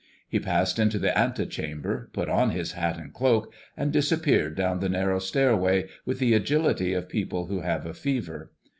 He passed into the antechamber, put on his hat and cloak, and disappeared down the narrow stairway with the agility of people who have a fever.